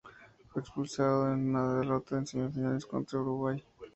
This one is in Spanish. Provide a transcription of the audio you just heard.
Fue expulsado en la derrota en semifinales contra Uruguay.